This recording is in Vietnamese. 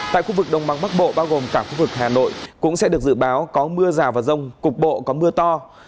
tại khu vực đông bắc bộ bao gồm cả khu vực hà nội cũng sẽ được dự báo có mưa rào và rông cục bộ có mưa to